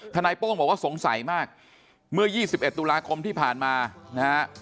โป้งบอกว่าสงสัยมากเมื่อ๒๑ตุลาคมที่ผ่านมานะฮะ